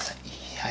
はい